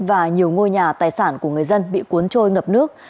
và nhiều ngôi nhà tài sản của người dân bị cuốn trôi ngập nước